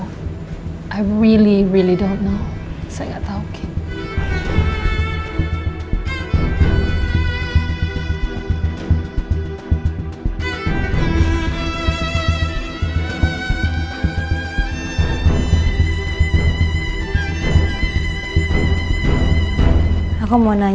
kalau mas al itu kakaknya mas roy